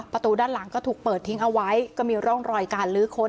ประตูด้านหลังก็ถูกเปิดทิ้งเอาไว้ก็มีร่องรอยการลื้อค้น